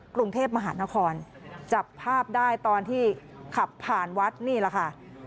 กรุงเทพมหานครจับภาพได้ตอนที่ขับผ่านวัดนี่แหละค่ะ